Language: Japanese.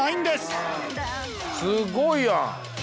すごいやん！